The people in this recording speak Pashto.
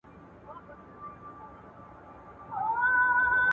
اقتصادي خوځښت د پانګي په واسطه منځته راځي.